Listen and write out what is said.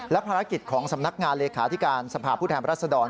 และภารกิจของสำนักงานเลขาธิการสภาพผู้แทนรัศดร